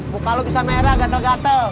buka lo bisa merah gatel gatel